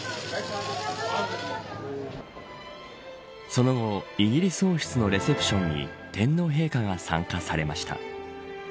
その後イギリス王室のレセプションに天皇陛下が参加されました。